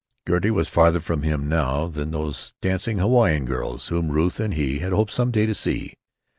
Gertie was farther from him now than those dancing Hawaiian girls whom Ruth and he hoped some day to see.